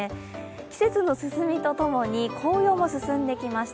季節の進みと共に紅葉も進んできました。